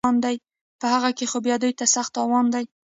په هغه کې خو بیا دوی ته سخت تاوان دی